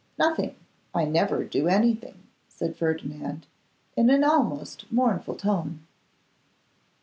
'Nothing; I never do anything,' said Ferdinand, in an almost mournful tone.